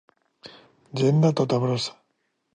Gent de tota brossa.